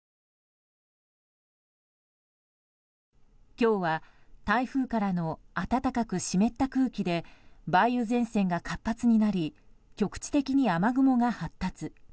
今日は台風からの暖かく湿った空気で梅雨前線が活発になり局地的に雨雲が発達。